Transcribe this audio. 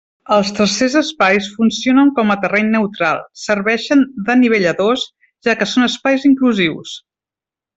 Els tercers espais funcionen com a terreny neutral, serveixen d'anivelladors, ja que són espais inclusius.